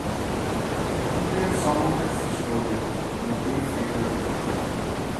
He shares some of his story in a brief video interview.